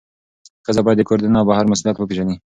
ښځه باید د کور دننه او بهر مسؤلیت وپیژني.